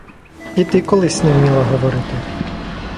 І ти колись не вміла говорити.